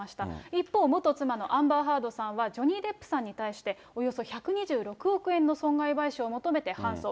一方、元妻のアンバー・ハードさんはジョニー・デップさんに対して、およそ１２６億円の損害賠償を求めて敗訴。